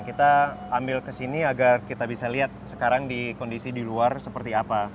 kita ambil ke sini agar kita bisa lihat sekarang di kondisi di luar seperti apa